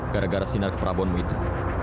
gara gara sinar keperabuanmu itu